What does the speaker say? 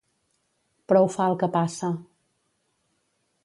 Prou fa el que passa.